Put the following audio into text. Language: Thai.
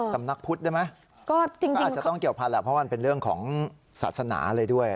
สำนักพุทธได้ไหมก็อาจจะต้องเกี่ยวพันธุแหละเพราะมันเป็นเรื่องของศาสนาอะไรด้วย